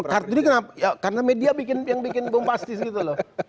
kartu ini kenapa karena media yang bikin bombastis gitu loh